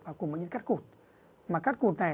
và cùng với những cắt cụt mà cắt cụt này